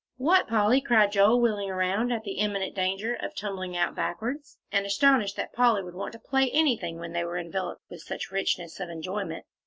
"What, Polly!" cried Joel, wheeling around, at the imminent danger of tumbling out backward, and astonished that Polly should want to play anything when they were enveloped with such richness of enjoyment.